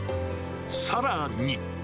さらに。